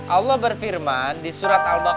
allah berfirman di surat al baqarah